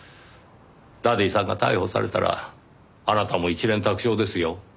ダディさんが逮捕されたらあなたも一蓮托生ですよ。